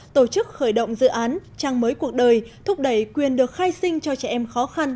tổ chức khởi động dự án trang mới cuộc đời thúc đẩy quyền được khai sinh cho trẻ em khó khăn